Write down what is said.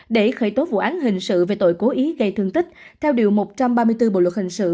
để khởi tố vụ án hình sự về tội cố ý gây thương tích theo điều một trăm ba mươi bốn bộ luật hình sự